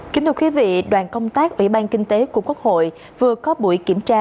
kính thưa quý vị đoàn công tác ủy ban kinh tế của quốc hội vừa có buổi kiểm tra